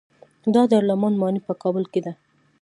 د دارالامان ماڼۍ په کابل کې ده